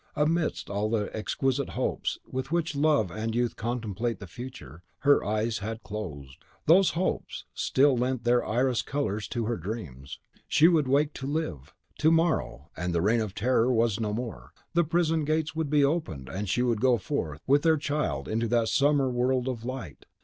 Amidst all the exquisite hopes with which love and youth contemplate the future, her eyes had closed. Those hopes still lent their iris colours to her dreams. She would wake to live! To morrow, and the Reign of Terror was no more; the prison gates would be opened, she would go forth, with their child, into that summer world of light.